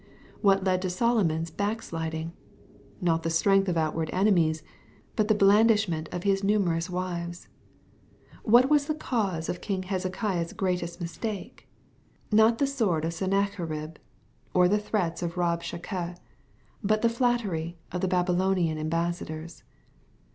fWhat led to Solomon's back sliding ? Not the strength of outward enemies, but the blandishment of his numerous wives.V What was the cause of king Hezekiah's greatest mistake ? Not the sword of Sennacherib, or the threats of Kab shakeh, but the flattery of the Babylonian ambassadors.)